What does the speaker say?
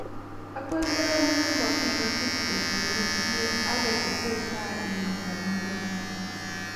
Akwek neranik komagatin otinisie ak ketesetai ibindap nyo tai